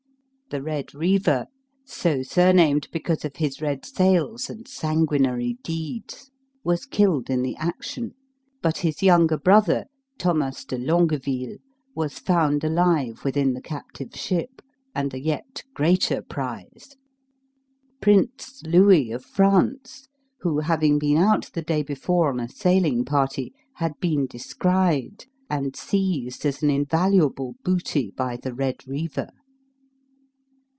The Red Reaver (so surnamed because of his red sails and sanguinary deeds) was killed in the action; but his younger brother, Thomas de Longueville, was found alive with in the captive ship, and a yet greater prize! Prince Louis, of France, who having been out the day before on a sailing party, had been descried, and seized as an invaluable booty by the Red Reaver.